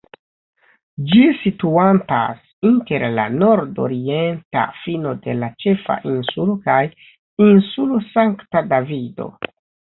Ĝi situantas inter la nordorienta fino de la ĉefa insulo kaj Insulo Sankta Davido.